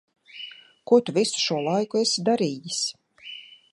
Ko tu visu šo laiku esi darījis?